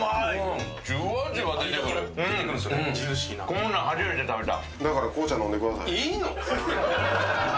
こんなん初めて食べた。